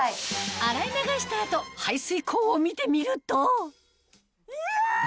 洗い流した後排水口を見てみるといや！